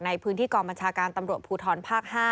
ในพื้นที่กองบัญชาการตำรวจภูทรภาค๕